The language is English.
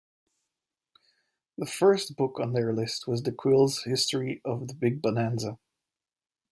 The first book on their list was DeQuille's "History of the Big Bonanza".